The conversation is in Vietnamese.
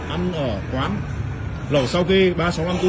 ăn ở quán lẩu sau khi ba sáu h cua hiệu